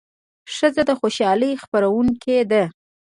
ښځه د خوشالۍ خپروونکې ده.